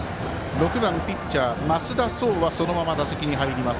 ６番、ピッチャー増田壮はそのまま打席に入ります